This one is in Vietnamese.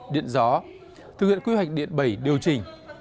điện gió thực hiện quy hoạch điện bảy điều chỉnh